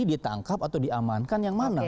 ditangkap atau diamankan yang mana